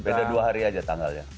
beda dua hari aja tanggalnya